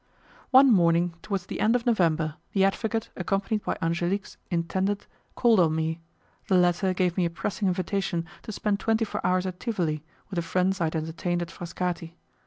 One morning towards the end of November the advocate, accompanied by Angelique's intended, called on me. The latter gave me a pressing invitation to spend twenty four hours at Tivoli with the friends I had entertained at Frascati.